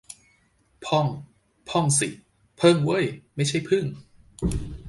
พ่อง - พ่องสิ เพิ่งเว้ย ไม่ใช่พึ่ง